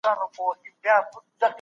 ولي ځيني هیوادونه سوله نه مني؟